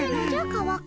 川上。